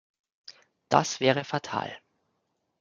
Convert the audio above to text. Das wäre fatal!